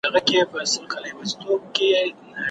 ایا د نیمګړي خوب کول د کار وړتیا کموي؟